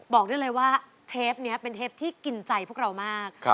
บอกได้เลยว่าเทปนี้เป็นเทปที่กินใจพวกเรามาก